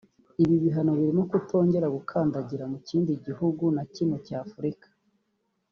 Ibi bihano birimo kutongera gukandagira mu kindi gihugu na kimwe cya Afrika